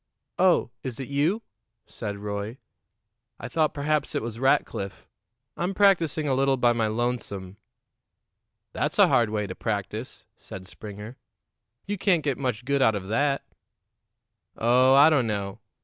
"Oh, is it you?" said Roy. "I thought perhaps it was Rackliff. I'm practicing a little by my lonesome." "That's a hard way to practice," said Springer. "You can't get much good out of that." "Oh, I don't know.